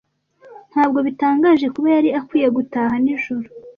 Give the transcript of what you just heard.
Ntabwo bitangaje kuba yari akwiye gutaha nijoro.